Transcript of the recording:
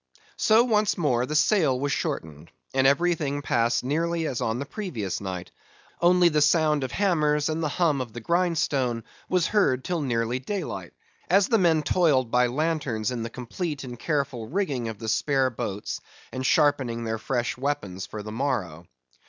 So once more the sail was shortened, and everything passed nearly as on the previous night; only, the sound of hammers, and the hum of the grindstone was heard till nearly daylight, as the men toiled by lanterns in the complete and careful rigging of the spare boats and sharpening their fresh weapons for the morrow.